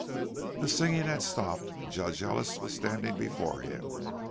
The singing had stopped, and Judge Ellis was standing before him.